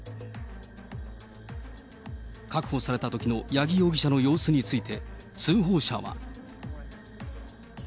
確保されたときの八木容疑者の様子について、通報者は。